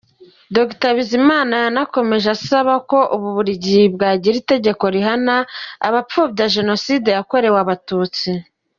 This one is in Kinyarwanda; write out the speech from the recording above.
Dr Bizimana yanakomeje asaba ko u Bubiligi bwagira itegeko rihana abapfobya Jenoside yakorewe Abatutsi.